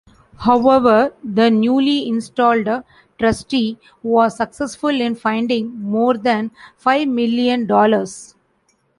However, the newly installed Trustee was successful in finding more than five million dollars.